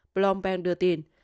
blomberg đưa tin